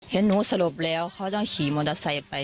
เห็นหนูสลบแล้วเขาต้องขี่มอเตอร์ไซค์ไป